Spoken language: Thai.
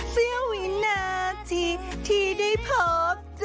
เสียวินาทีที่ได้พบเจอ